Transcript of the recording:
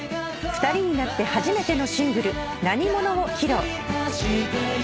２人になって初めてのシングル『なにもの』を披露。